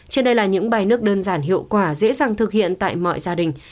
trên đây là những bài nước đơn giản hiệu quả dễ dàng thực hiện tại mọi gia đình